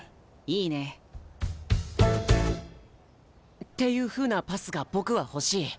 いいね。っていうふうなパスが僕は欲しい。